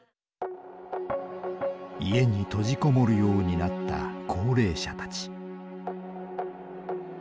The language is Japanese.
家に閉じこもるようになった高齢者たち。